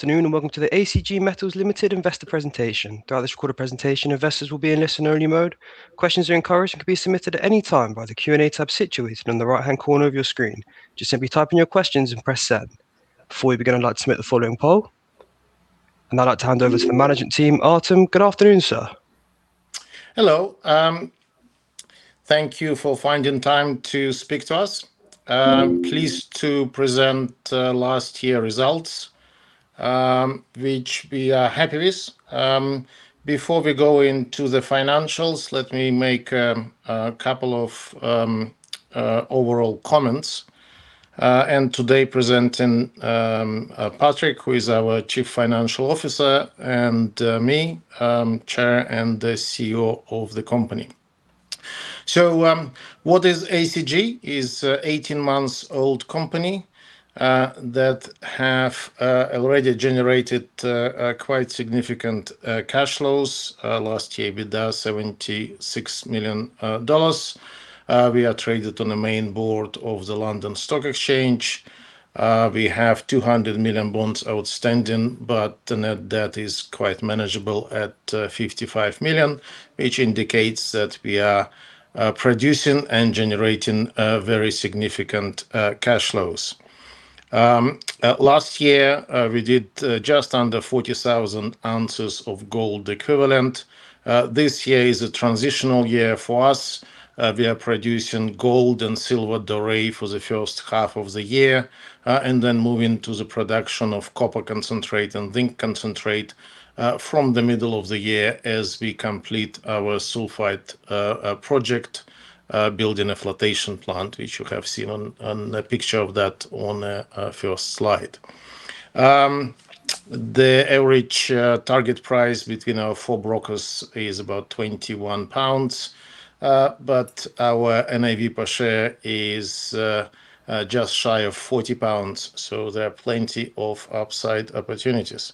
Good afternoon, and welcome to the ACG Metals Limited investor presentation. Throughout this recorded presentation, investors will be in listen-only mode. Questions are encouraged and can be submitted at any time via the Q&A tab situated on the right-hand corner of your screen. Just simply type in your questions and press send. Before we begin, I'd like to submit the following poll. I'd like to hand over to the management team. Artem, good afternoon, sir. Hello. Thank you for finding time to speak to us. We are pleased to present last year results, which we are happy with. Before we go into the financials, let me make a couple of overall comments. Today presenting, Patrick Henze, who is our Chief Financial Officer, and me, Chair and the CEO of the company. What is ACG? It is an 18-month-old company that have already generated quite significant cash flows last year with our $76 million. We are traded on the main board of the London Stock Exchange. We have $200 million bonds outstanding, but the net debt is quite manageable at $55 million, which indicates that we are producing and generating very significant cash flows. Last year, we did just under 40,000 ounces of gold equivalent. This year is a transitional year for us. We are producing gold and silver doré for the first half of the year, moving to the production of copper concentrate and zinc concentrate from the middle of the year as we complete our sulfide project, building a flotation plant, which you have seen on a picture of that on a first slide. The average target price between our four brokers is about 21 pounds. Our NAV per share is just shy of 40 pounds. There are plenty of upside opportunities.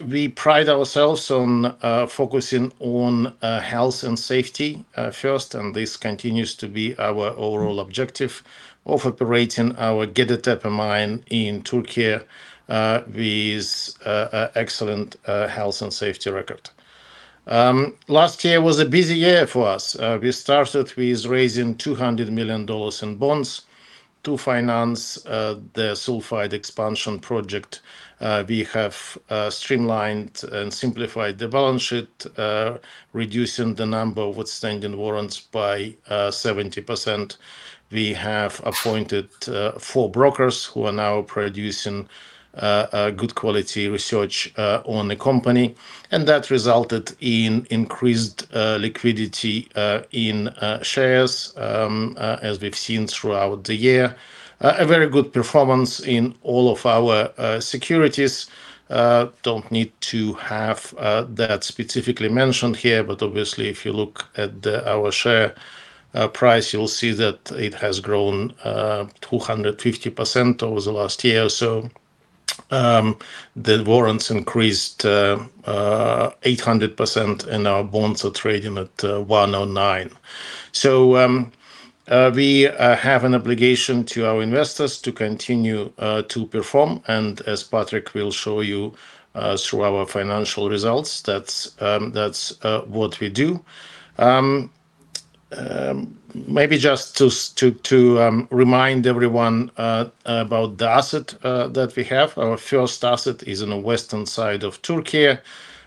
We pride ourselves on focusing on health and safety first. This continues to be our overall objective of operating our Gediktepe Mine in Turkey with excellent health and safety record. Last year was a busy year for us. We started with raising $200 million in bonds to finance the sulfide expansion project. We have streamlined and simplified the balance sheet, reducing the number of outstanding warrants by 70%. We have appointed four brokers who are now producing good quality research on the company, and that resulted in increased liquidity in shares, as we've seen throughout the year. A very good performance in all of our securities. We don't need to have that specifically mentioned here, but obviously, if you look at our share price, you'll see that it has grown 250% over the last year. The warrants increased 800% and our bonds are trading at 109%. We have an obligation to our investors to continue to perform, and as Patrick will show you through our financial results, that's what we do. Maybe just to remind everyone about the asset that we have. Our first asset is in the western side of Turkey.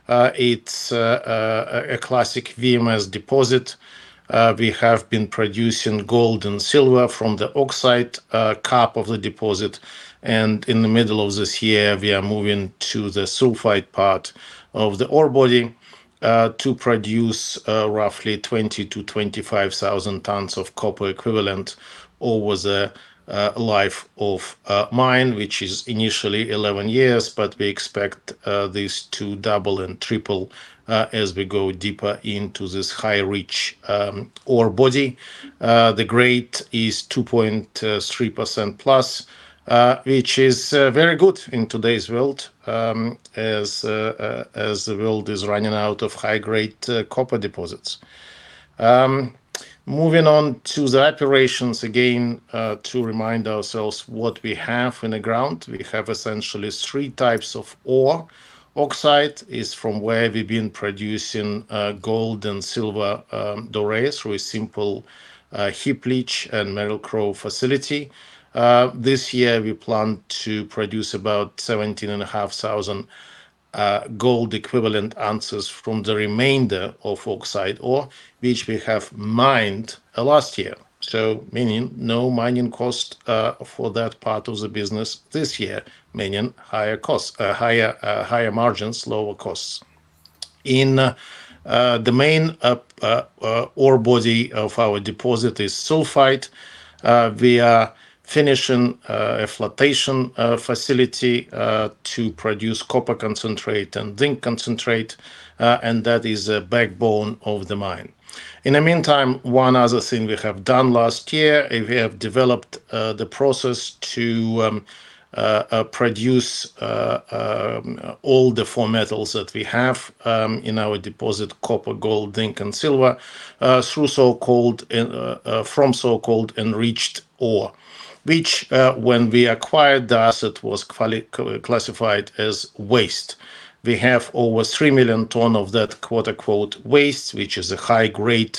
It's a classic VMS deposit. We have been producing gold and silver from the oxide cap of the deposit. In the middle of this year, we are moving to the sulfide part of the ore body to produce roughly 20,000 tons-25,000 tons of copper equivalent over the life of mine, which is initially 11 years, but we expect this to double and triple as we go deeper into this high-grade ore body. The grade is 2.3%+, which is very good in today's world, as the world is running out of high-grade copper deposits. Moving on to the operations again, to remind ourselves what we have in the ground. We have essentially three types of ore. Oxide is from where we've been producing gold and silver doré through a simple heap leach and Merrill-Crowe facility. This year, we plan to produce about 17,500 gold equivalent ounces from the remainder of oxide ore, which we have mined last year, meaning no mining cost for that part of the business this year, meaning higher margins, lower costs. In the main ore body of our deposit is sulfide. We are finishing a flotation facility to produce copper concentrate and zinc concentrate, and that is a backbone of the mine. In the meantime, one other thing we have done last year, we have developed the process to produce all the four metals that we have in our deposit, copper, gold, zinc, and silver, from so-called enriched ore, which, when we acquired the asset, was classified as waste. We have over 3 million ton of that waste, which is a high-grade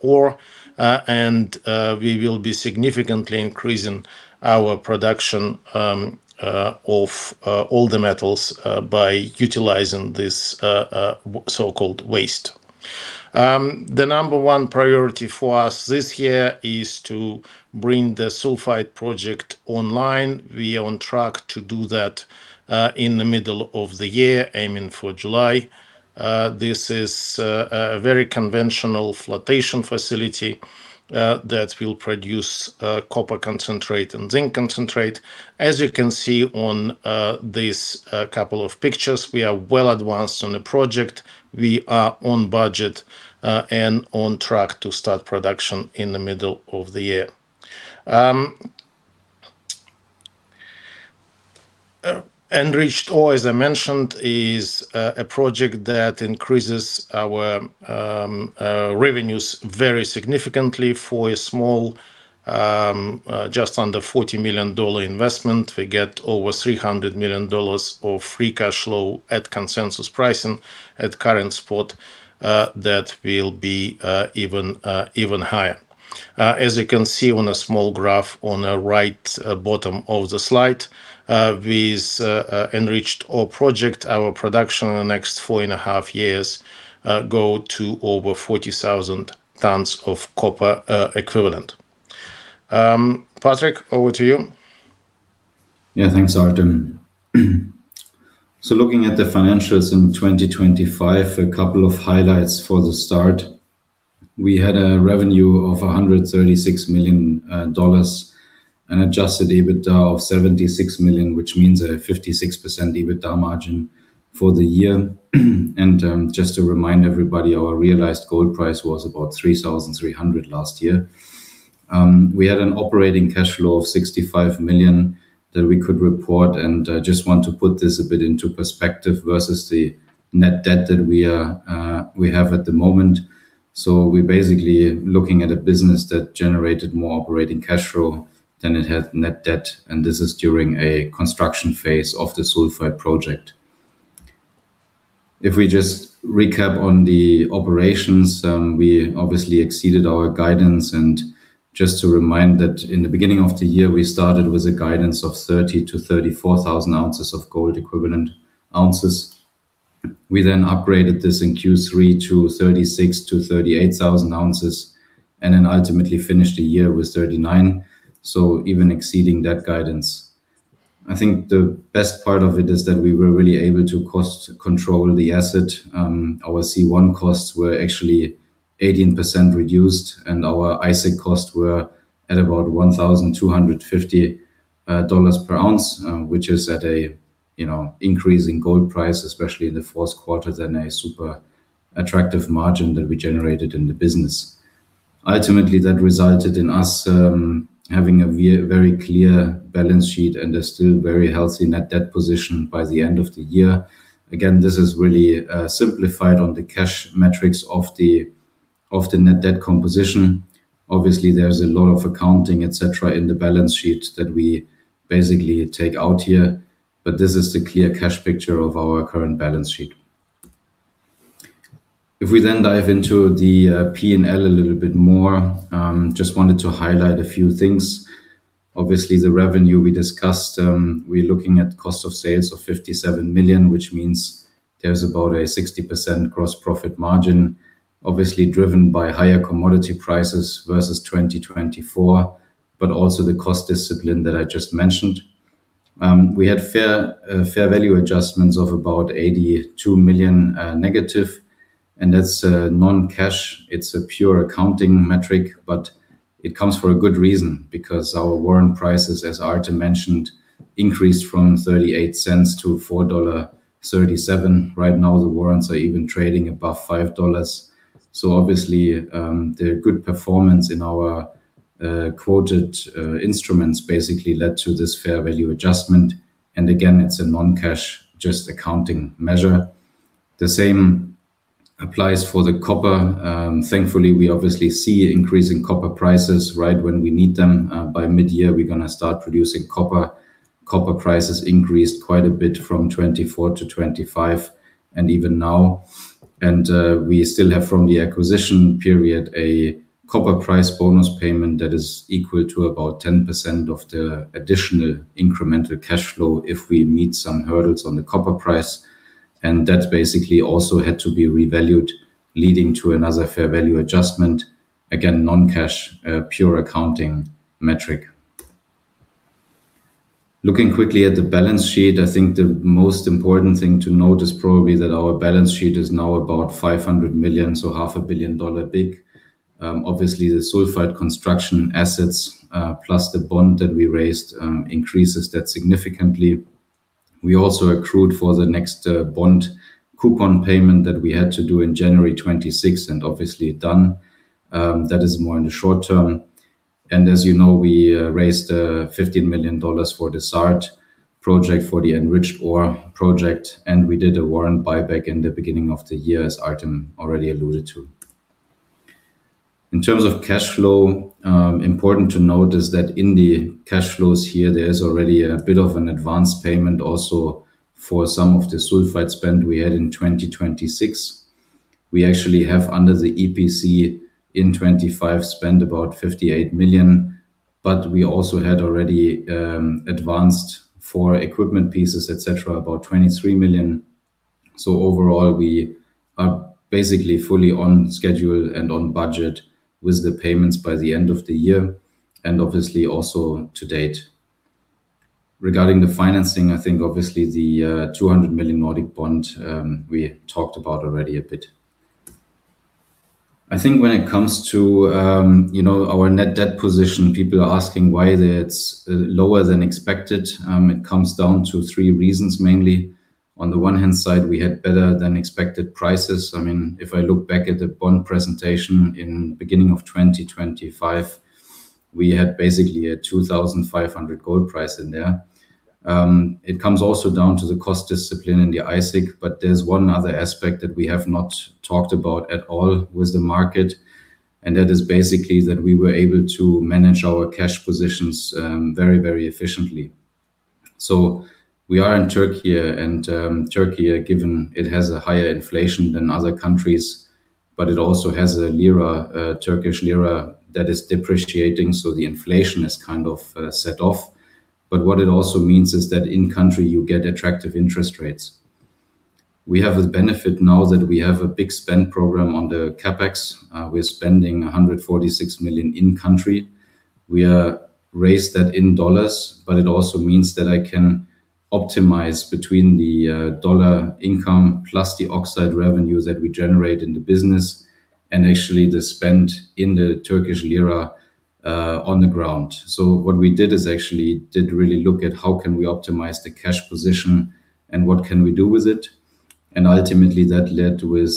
ore, and we will be significantly increasing our production of all the metals by utilizing this so-called waste. The number one priority for us this year is to bring the sulfide project online. We are on track to do that in the middle of the year, aiming for July. This is a very conventional flotation facility that will produce copper concentrate and zinc concentrate. As you can see on these couple of pictures, we are well advanced on the project. We are on budget and on track to start production in the middle of the year. Enriched ore, as I mentioned, is a project that increases our revenues very significantly for a small, just under $40 million investment. We get over $300 million of free cash flow at consensus pricing. At current spot, that will be even higher. As you can see on a small graph on the right bottom of the slide, with enriched ore project, our production in the next four and a half years go to over 40,000 tons of copper equivalent. Patrick, over to you. Yeah, thanks, Artem. Looking at the financials in 2025, a couple of highlights for the start. We had a revenue of $136 million, an adjusted EBITDA of $76 million, which means a 56% EBITDA margin for the year. Just to remind everybody, our realized gold price was about $3,300 last year. We had an operating cash flow of $65 million that we could report. I just want to put this a bit into perspective versus the net debt that we have at the moment. We're basically looking at a business that generated more operating cash flow than it had net debt, and this is during a construction phase of the sulfide project. If we just recap on the operations, we obviously exceeded our guidance, and just to remind that in the beginning of the year we started with a guidance of 30,000 ounces-34,000 ounces of gold equivalent ounces. We then upgraded this in Q3 to 36,000 ounces-38,000 ounces, and then ultimately finished the year with 39,000 ounces, even exceeding that guidance. I think the best part of it is that we were really able to cost control the asset. Our C1 costs were actually 18% reduced and our AISC costs were at about $1,250 per ounce, which is at an increase in gold price, especially in the fourth quarter, then a super attractive margin that we generated in the business. Ultimately, that resulted in us having a very clear balance sheet and a still very healthy net debt position by the end of the year. Again, this is really simplified on the cash metrics of the net debt composition. Obviously, there's a lot of accounting, et cetera, in the balance sheet that we basically take out here, but this is the clear cash picture of our current balance sheet. If we then dive into the P&L a little bit more, just wanted to highlight a few things. Obviously, the revenue we discussed, we're looking at cost of sales of $57 million, which means there's about a 60% gross profit margin, obviously driven by higher commodity prices versus 2024, but also the cost discipline that I just mentioned. We had fair value adjustments of about -$82 million, and that's non-cash. It's a pure accounting metric, but it comes for a good reason because our warrant prices, as Artem mentioned, increased from $0.38-$4.37. Right now, the warrants are even trading above $5. Obviously, the good performance in our quoted instruments basically led to this fair value adjustment. Again, it's a non-cash, just accounting measure. The same applies for the copper. Thankfully, we obviously see increasing copper prices right when we need them. By mid-year, we're going to start producing copper. Copper prices increased quite a bit from 2024-2025 and even now. We still have, from the acquisition period, a copper price bonus payment that is equal to about 10% of the additional incremental cash flow if we meet some hurdles on the copper price. That basically also had to be revalued, leading to another fair value adjustment. Again, non-cash, pure accounting metric. Looking quickly at the balance sheet, I think the most important thing to note is probably that our balance sheet is now about $500 million, so $0.5 billion big. Obviously, the sulfide construction assets, plus the bond that we raised, increases that significantly. We also accrued for the next bond coupon payment that we had to do in January 2026, obviously done. That is more in the short term. As you know, we raised $15 million for the SART project for the enriched ore project. We did a warrant buyback in the beginning of the year, as Artem already alluded to. In terms of cash flow, important to note is that in the cash flows here, there's already a bit of an advance payment also for some of the sulfide spend we had in 2026. We actually have, under the EPC in 2025, spent about $58 million. We also had already advanced for equipment pieces, et cetera, about $23 million. Overall, we are basically fully on schedule and on budget with the payments by the end of the year, and obviously also to date. Regarding the financing, I think obviously the $200 million Nordic bond we talked about already a bit. I think when it comes to our net debt position, people are asking why that's lower than expected. It comes down to three reasons, mainly. On the one hand side, we had better than expected prices. If I look back at the bond presentation in beginning of 2025, we had basically a $2,500 gold price in there. It comes also down to the cost discipline in the AISC, but there's one other aspect that we have not talked about at all with the market, and that is basically that we were able to manage our cash positions very efficiently. We are in Turkey, and Turkey, given it has a higher inflation than other countries, but it also has a lira, Turkish lira, that is depreciating, so the inflation is kind of set off. What it also means is that in country, you get attractive interest rates. We have the benefit now that we have a big spend program on the CapEx. We're spending $146 million in country. We raise that in dollars, but it also means that I can optimize between the dollar income plus the oxide revenue that we generate in the business and actually the spend in the Turkish lira on the ground. What we did is actually did really look at how can we optimize the cash position and what can we do with it, and ultimately that led with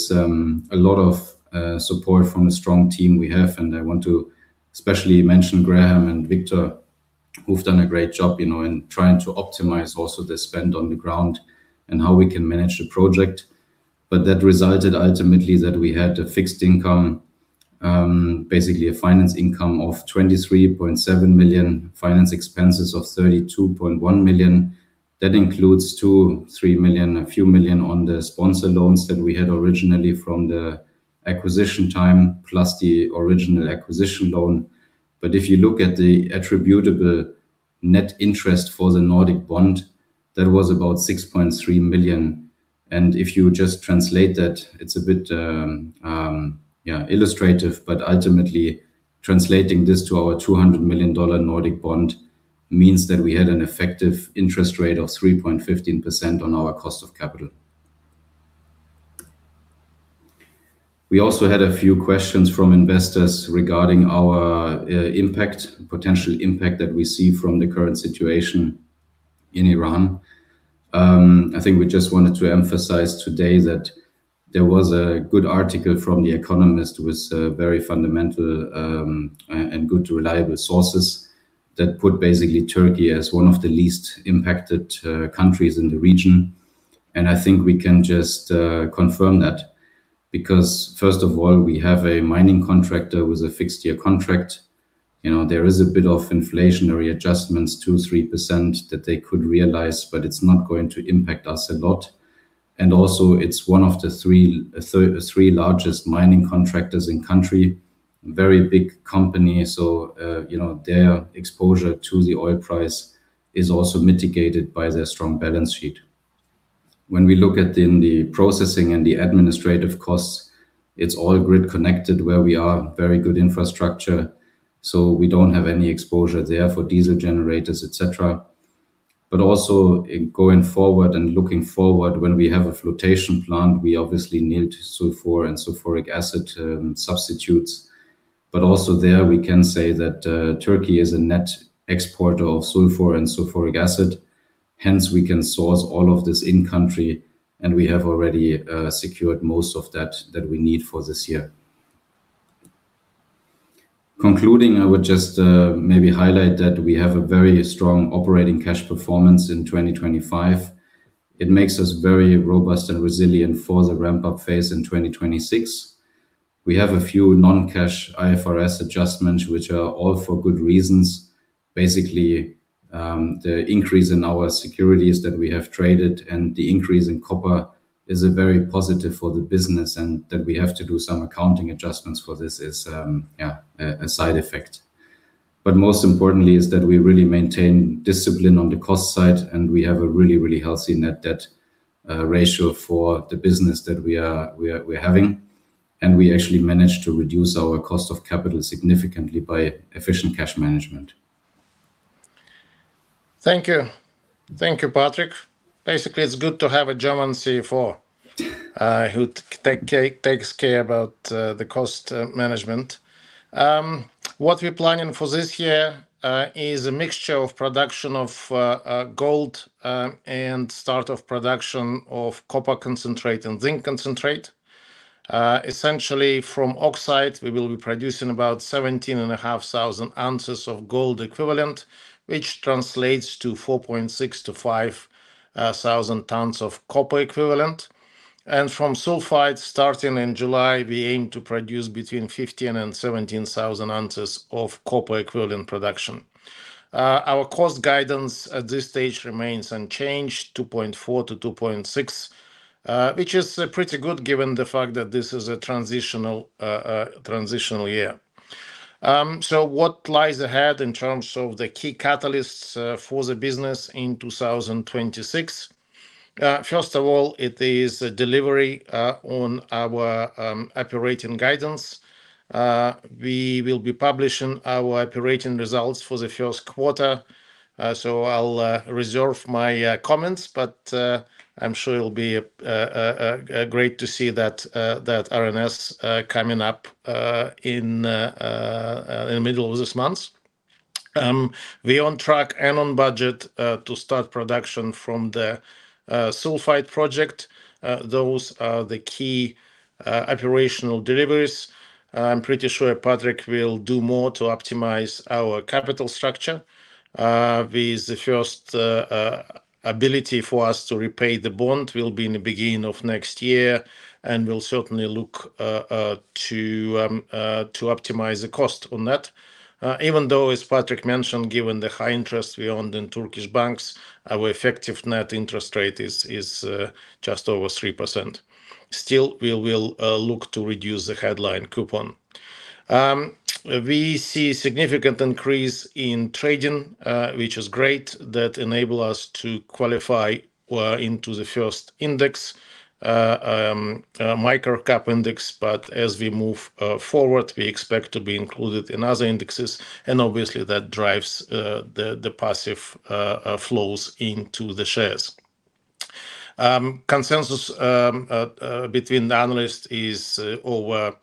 a lot of support from a strong team we have, and I want to especially mention Graham and Victor, who've done a great job in trying to optimize also the spend on the ground and how we can manage the project. That resulted ultimately that we had a fixed income, basically a finance income of $23.7 million, finance expenses of $32.1 million. That includes $2 million-$3 million, a few million on the sponsor loans that we had originally from the acquisition time, plus the original acquisition loan. If you look at the attributable net interest for the Nordic bond, that was about $6.3 million. If you just translate that, it's a bit illustrative, but ultimately translating this to our $200 million Nordic bond means that we had an effective interest rate of 3.15% on our cost of capital. We also had a few questions from investors regarding our potential impact that we see from the current situation in Iran. I think we just wanted to emphasize today that there was a good article from The Economist with very fundamental and good reliable sources that put basically Turkey as one of the least impacted countries in the region. I think we can just confirm that, because first of all, we have a mining contractor with a fixed-year contract. There is a bit of inflationary adjustments, 2%, 3%, that they could realize, but it's not going to impact us a lot. It's one of the three largest mining contractors in-country, very big company. Their exposure to the oil price is also mitigated by their strong balance sheet. When we look at in the processing and the administrative costs, it's all grid-connected where we are, very good infrastructure. We don't have any exposure there for diesel generators, et cetera. In going forward and looking forward, when we have a flotation plant, we obviously need sulfur and sulfuric acid substitutes. There we can say that Turkey is a net exporter of sulfur and sulfuric acid, hence we can source all of this in-country, and we have already secured most of that that we need for this year. Concluding, I would just maybe highlight that we have a very strong operating cash performance in 2025. It makes us very robust and resilient for the ramp-up phase in 2026. We have a few non-cash IFRS adjustments, which are all for good reasons. Basically, the increase in our securities that we have traded and the increase in copper is a very positive for the business, and that we have to do some accounting adjustments for this is a side effect. Most importantly is that we really maintain discipline on the cost side and we have a really healthy net debt ratio for the business that we're having. We actually managed to reduce our cost of capital significantly by efficient cash management. Thank you. Thank you, Patrick. Basically, it's good to have a German CFO who takes care about the cost management. What we're planning for this year is a mixture of production of gold and start of production of copper concentrate and zinc concentrate. Essentially from oxide, we will be producing about 17,500 ounces of gold equivalent, which translates to 4,600 tons-5,000 tons of copper equivalent. From sulfide, starting in July, we aim to produce between 15,000 ounces-17,000 ounces of copper equivalent production. Our cost guidance at this stage remains unchanged, $2.4-$2.6, which is pretty good given the fact that this is a transitional year. What lies ahead in terms of the key catalysts for the business in 2026? First of all, it is delivery on our operating guidance. We will be publishing our operating results for the first quarter. I'll reserve my comments, but I'm sure it'll be great to see that RNS coming up in the middle of this month. We're on track and on budget to start production from the sulfide project. Those are the key operational deliveries. I'm pretty sure Patrick will do more to optimize our capital structure. With the first ability for us to repay the bond will be in the beginning of next year, and we'll certainly look to optimize the cost on that. Even though, as Patrick mentioned, given the high interest we earned in Turkish banks, our effective net interest rate is just over 3%. Still, we will look to reduce the headline coupon. We see significant increase in trading, which is great that enable us to qualify into the first index, micro cap index. As we move forward, we expect to be included in other indexes, and obviously that drives the passive flows into the shares. Consensus between the analysts is over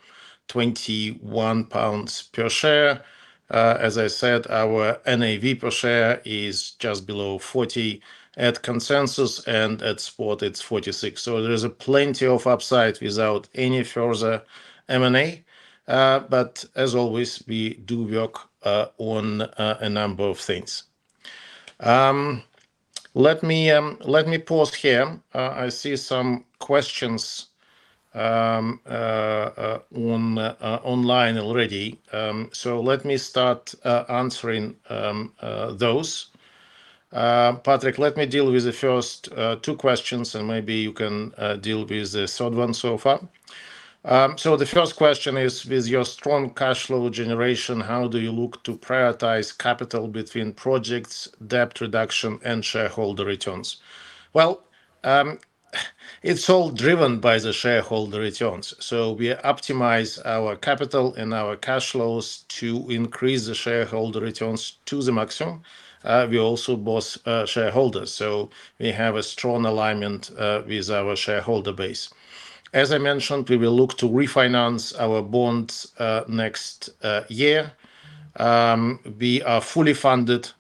21 pounds per share. As I said, our NAV per share is just below 40 at consensus, and at spot it's 46. There is plenty of upside without any further M&A. As always, we do work on a number of things. Let me pause here. I see some questions online already, so let me start answering those. Patrick, let me deal with the first two questions, and maybe you can deal with the third one so far. The first question is, with your strong cash flow generation, how do you look to prioritize capital between projects, debt reduction, and shareholder returns? Well, it's all driven by the shareholder returns, so we optimize our capital and our cash flows to increase the shareholder returns to the maximum. We are also both shareholders, so we have a strong alignment with our shareholder base. As I mentioned, we will look to refinance our bonds next year. We are fully funded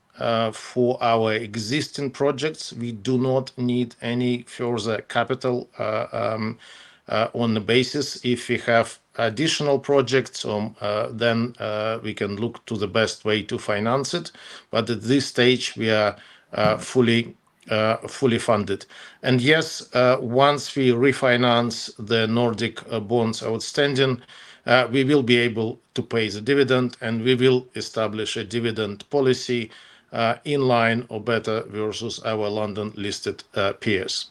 for our existing projects. We do not need any further capital on the basis. If we have additional projects, then we can look to the best way to finance it. At this stage, we are fully funded. Yes, once we refinance the Nordic bonds outstanding, we will be able to pay the dividend, and we will establish a dividend policy in line or better versus our London-listed peers.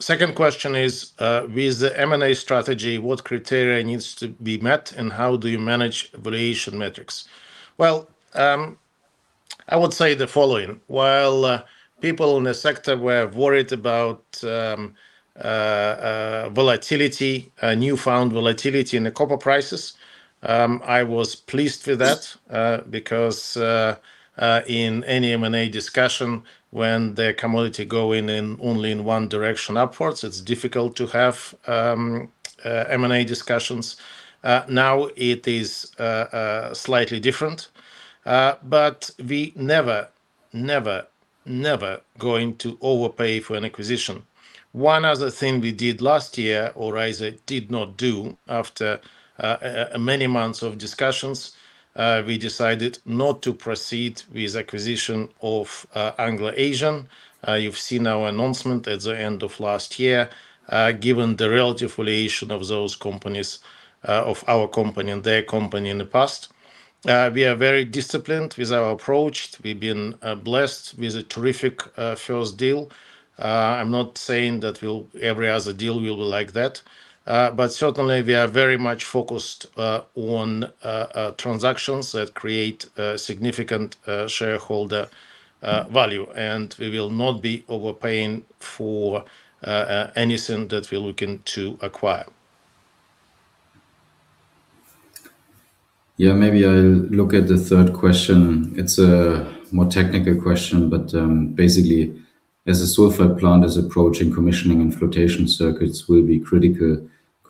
Second question is, with the M&A strategy, what criteria needs to be met and how do you manage valuation metrics? Well, I would say the following. While people in the sector were worried about volatility, newfound volatility in the copper prices, I was pleased with that because in any M&A discussion, when the commodity go in only in one direction upwards, it's difficult to have M&A discussions. Now it is slightly different. We never going to overpay for an acquisition. One other thing we did last year, or I should say, did not do. After many months of discussions, we decided not to proceed with acquisition of Anglo Asian. You've seen our announcement at the end of last year. Given the relative valuation of those companies, of our company and their company in the past, we are very disciplined with our approach. We've been blessed with a terrific first deal. I'm not saying that every other deal will be like that. Certainly we are very much focused on transactions that create significant shareholder value, and we will not be overpaying for anything that we're looking to acquire. Yeah, maybe I'll look at the third question. It's a more technical question, but basically, as the sulfide plant is approaching commissioning and flotation circuits will be critical,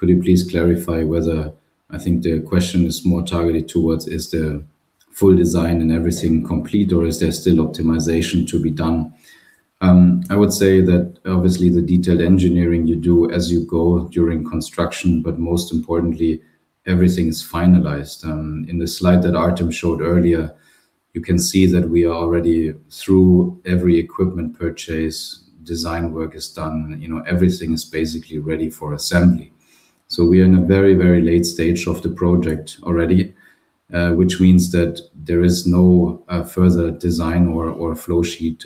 I think the question is more targeted towards is the full design and everything complete, or is there still optimization to be done? I would say that obviously the detailed engineering you do as you go during construction, but most importantly, everything is finalized. In the slide that Artem showed earlier, you can see that we are already through every equipment purchase. Design work is done. Everything is basically ready for assembly. We are in a very late stage of the project already, which means that there is no further design or flow sheet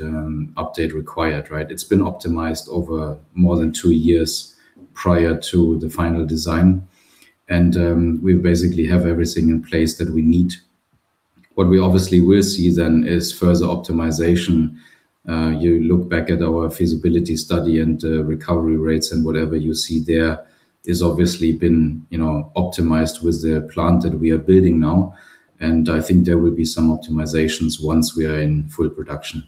update required, right? It's been optimized over more than two years prior to the final design. We basically have everything in place that we need. What we obviously will see then is further optimization. You look back at our feasibility study and recovery rates and whatever you see there is obviously been optimized with the plant that we are building now, and I think there will be some optimizations once we are in full production.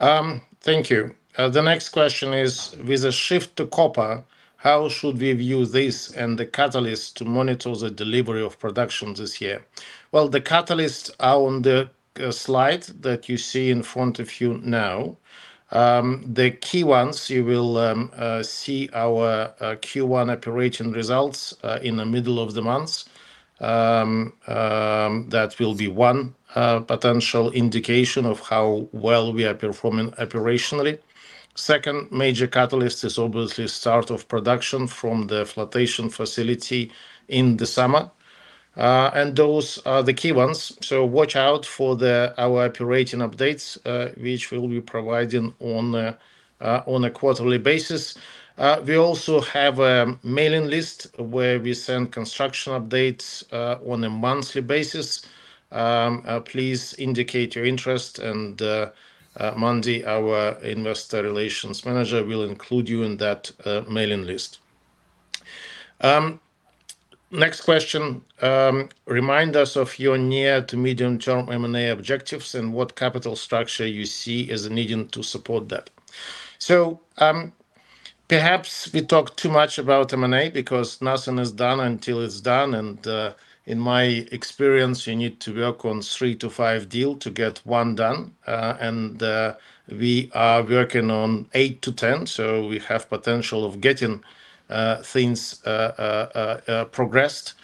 Thank you. The next question is with the shift to copper, how should we view this and the catalyst to monitor the delivery of production this year? Well, the catalysts are on the slide that you see in front of you now. The key ones, you will see our Q1 operating results in the middle of the month. That will be one potential indication of how well we are performing operationally. Second major catalyst is obviously start of production from the flotation facility in the summer. Those are the key ones, so watch out for our operating updates, which we'll be providing on a quarterly basis. We also have a mailing list where we send construction updates on a monthly basis. Please indicate your interest and Mandy, our Investor Relations Manager, will include you in that mailing list. Next question. Remind us of your near- to medium-term M&A objectives and what capital structure you see as needing to support that. Perhaps we talk too much about M&A because nothing is done until it's done, and in my experience, you need to work on three to five deals to get one done. We are working on eight to 10, so we have potential of getting things progressed.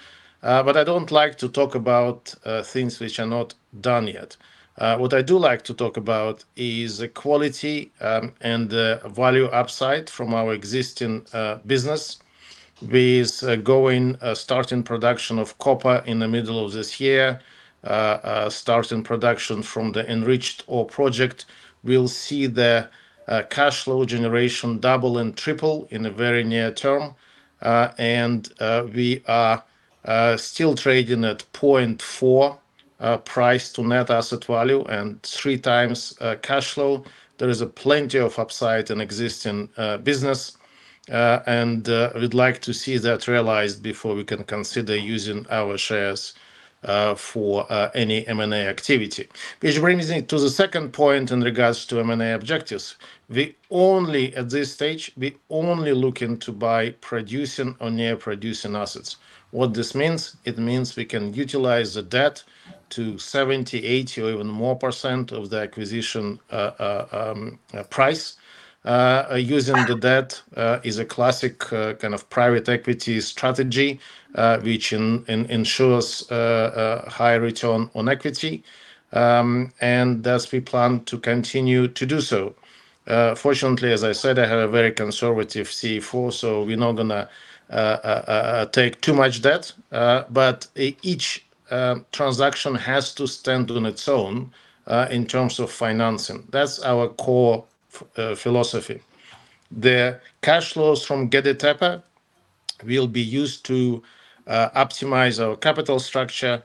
I don't like to talk about things which are not done yet. What I do like to talk about is the quality and the value upside from our existing business with starting production of copper in the middle of this year, starting production from the enriched ore project. We'll see the cash flow generation double and triple in the very near term. We are still trading at 0.4x price-to-net asset value and 3x cash flow. There is a plenty of upside in existing business. We'd like to see that realized before we can consider using our shares for any M&A activity. Which brings me to the second point in regards to M&A objectives. At this stage, we're only looking to buy producing or near producing assets. It means we can utilize the debt to 70%, 80%, or even more percent of the acquisition price. Using the debt is a classic kind of private equity strategy, which ensures a high return on equity, and thus we plan to continue to do so. Fortunately, as I said, I have a very conservative CFO, so we're not going to take too much debt. Each transaction has to stand on its own in terms of financing. That's our core philosophy. The cash flows from Gediktepe will be used to optimize our capital structure,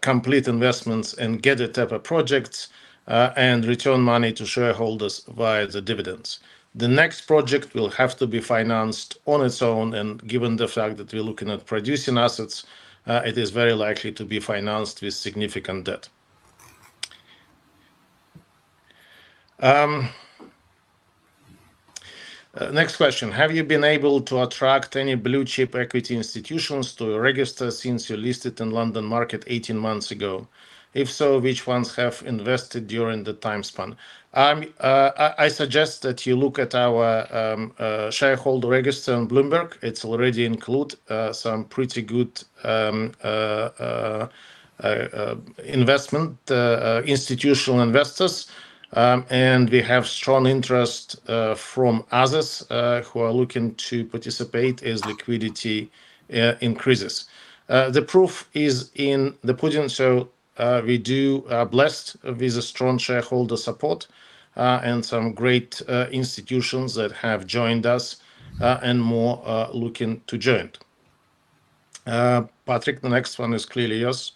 complete investments in Gediktepe projects and return money to shareholders via the dividends. The next project will have to be financed on its own, and given the fact that we're looking at producing assets, it is very likely to be financed with significant debt. Next question. Have you been able to attract any blue-chip equity institutions to register since you listed in London market 18 months ago? If so, which ones have invested during the time span? I suggest that you look at our shareholder register on Bloomberg. It already include some pretty good institutional investors. We have strong interest from others who are looking to participate as liquidity increases. The proof is in the pudding. We are blessed with a strong shareholder support and some great institutions that have joined us and more looking to join. Patrick, the next one is clearly yours.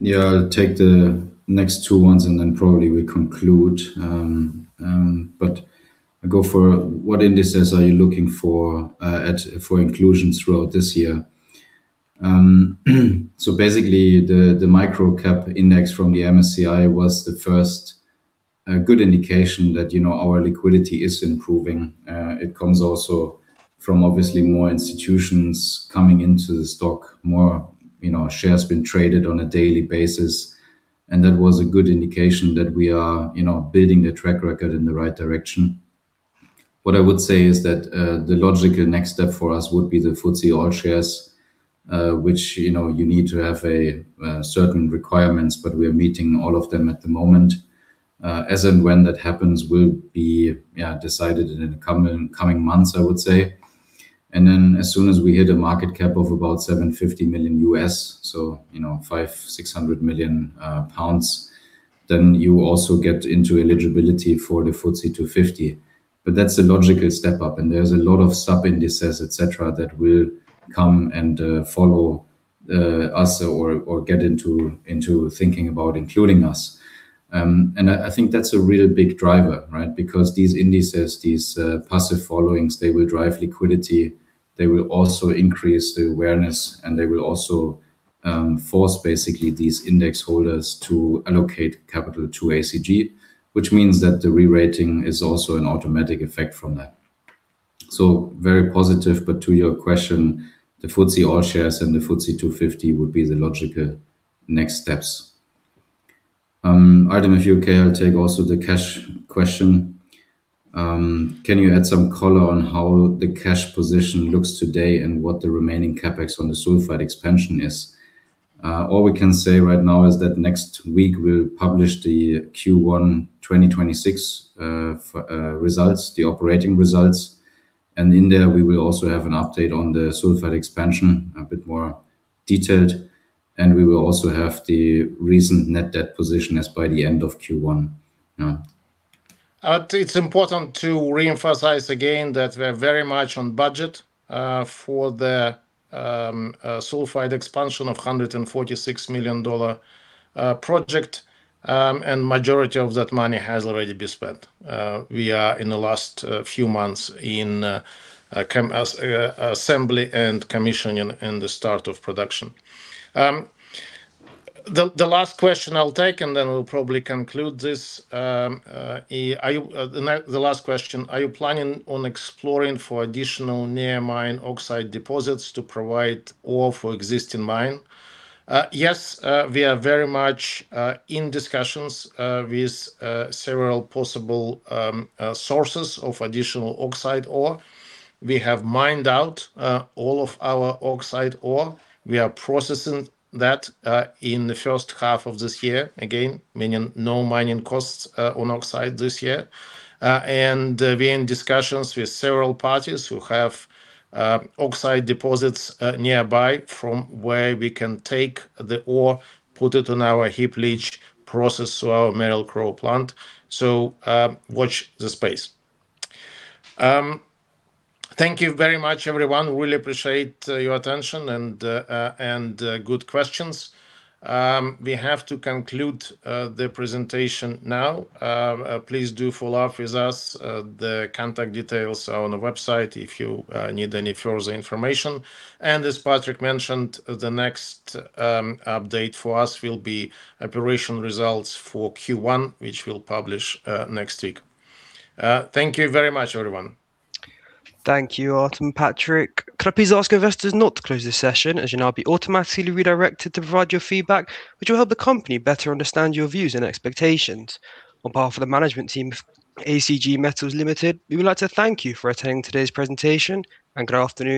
Yeah, I'll take the next two ones, and then probably we conclude. I go for what indices are you looking for inclusions throughout this year? Basically, the micro-cap index from the MSCI was the first good indication that our liquidity is improving. It comes also from obviously more institutions coming into the stock, more shares been traded on a daily basis, and that was a good indication that we are building a track record in the right direction. What I would say is that the logical next step for us would be the FTSE All-Share, which you need to have certain requirements, but we are meeting all of them at the moment. As and when that happens will be decided in the coming months, I would say. As soon as we hit a market cap of about $750 million, so 500 million-600 million pounds, then you also get into eligibility for the FTSE 250. That's a logical step up and there's a lot of sub-indices, et cetera, that will come and follow us or get into thinking about including us. I think that's a real big driver, right? Because these indices, these passive followings, they will drive liquidity, they will also increase the awareness, and they will also force basically these index holders to allocate capital to ACG, which means that the re-rating is also an automatic effect from that. Very positive, but to your question, the FTSE All-Share and the FTSE 250 would be the logical next steps. Artem, if you care, I'll take also the cash question. Can you add some color on how the cash position looks today and what the remaining CapEx on the sulfide expansion is? All we can say right now is that next week we'll publish the Q1 2026 results, the operating results. In there we will also have an update on the sulfide expansion, a bit more detailed, and we will also have the recent net debt position as by the end of Q1 now. It's important to reemphasize again that we're very much on budget for the sulfide expansion of $146 million project, and majority of that money has already been spent. We are in the last few months in assembly and commissioning and the start of production. The last question I'll take, and then we'll probably conclude this. The last question, are you planning on exploring for additional near-mine oxide deposits to provide ore for existing mine? Yes, we are very much in discussions with several possible sources of additional oxide ore. We have mined out all of our oxide ore. We are processing that in the first half of this year, again, meaning no mining costs on oxide this year. We're in discussions with several parties who have oxide deposits nearby from where we can take the ore, put it on our heap leach process to our Merrill-Crowe plant. Watch this space. Thank you very much, everyone. Really appreciate your attention and good questions. We have to conclude the presentation now. Please do follow up with us. The contact details are on the website if you need any further information. As Patrick mentioned, the next update for us will be operational results for Q1, which we'll publish next week. Thank you very much, everyone. Thank you, Artem and Patrick. Could I please ask investors not to close this session, as you'll now be automatically redirected to provide your feedback, which will help the company better understand your views and expectations? On behalf of the management team of ACG Metals Limited, we would like to thank you for attending today's presentation. Good afternoon.